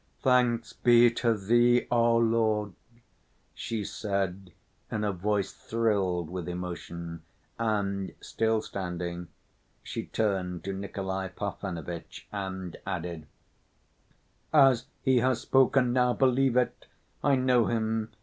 "Thanks be to Thee, O Lord," she said, in a voice thrilled with emotion, and still standing, she turned to Nikolay Parfenovitch and added: "As he has spoken now, believe it! I know him.